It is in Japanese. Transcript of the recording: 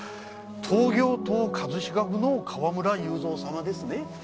東京都葛飾区の川村雄三様ですね。